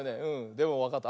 でもわかった？